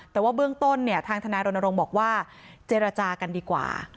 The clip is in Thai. แต่ว่าเบื้องต้นเนี่ยทางทนายรณรงค์บอกว่าเจรจากันดีกว่า